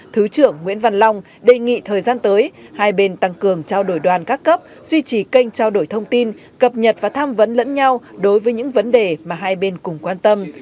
thứ trưởng nguyễn văn long đề nghị thời gian tới hai bên tăng cường trao đổi đoàn các cấp duy trì kênh trao đổi thông tin cập nhật và tham vấn lẫn nhau đối với những vấn đề mà hai bên cùng quan tâm